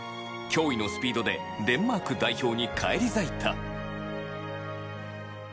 驚異のスピードでデンマーク代表に返り咲いた。